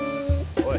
おい。